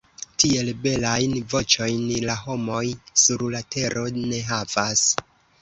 Tiel belajn voĉojn la homoj sur la tero ne havas.